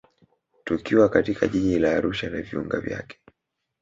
Tukiwa katika jiji la Arusha na viunga vyake